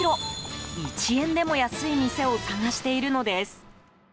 １円でも安い店を探しているのです。